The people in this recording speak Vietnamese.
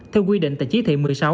theo quy định tại chí thị một mươi sáu